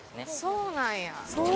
そうなんや。